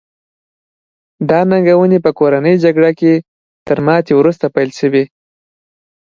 دا ننګونې په کورنۍ جګړه کې تر ماتې وروسته پیل شوې.